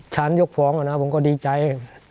ฉันยกฟ้องแล้วนะผมก็ดีใจ